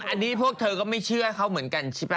อันนี้พวกเธอก็ไม่เชื่อเขาเหมือนกันใช่ป่ะ